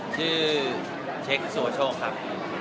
ชื่อเชคสวชกครับ